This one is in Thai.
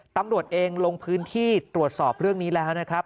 ตำรวจเองลงพื้นที่ตรวจสอบเรื่องนี้แล้วนะครับ